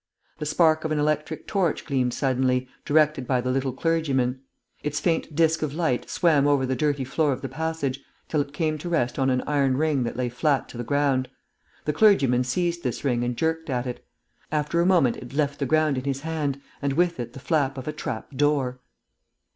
The spark of an electric torch gleamed suddenly, directed by the little clergyman; its faint disc of light swam over the dirty floor of the passage, till it came to rest on an iron ring that lay flat to the ground. The clergyman seized this ring and jerked at it; after a moment it left the ground in his hand, and with it the flap of a trap door.